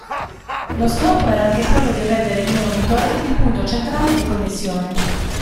Lo scopo era anche quello di rendere il monitor il punto centrale di connessione.